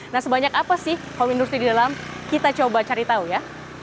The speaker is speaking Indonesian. nah sebanyak apa sih home industry di dalam kita coba cari tahu ya